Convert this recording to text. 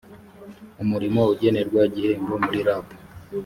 umurimo ugenerwa igihembo muri rab